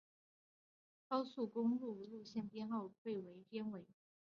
高速公路路线编号被编为。